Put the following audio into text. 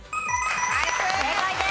正解です。